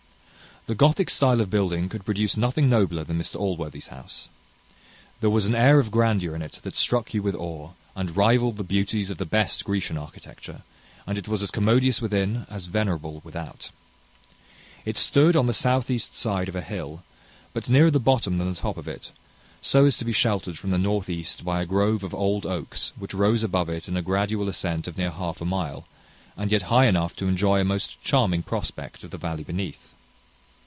The Gothic stile of building could produce nothing nobler than Mr Allworthy's house. There was an air of grandeur in it that struck you with awe, and rivalled the beauties of the best Grecian architecture; and it was as commodious within as venerable without. It stood on the south east side of a hill, but nearer the bottom than the top of it, so as to be sheltered from the north east by a grove of old oaks which rose above it in a gradual ascent of near half a mile, and yet high enough to enjoy a most charming prospect of the valley beneath.